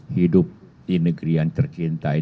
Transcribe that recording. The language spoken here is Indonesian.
hidup di negeri yang tercintai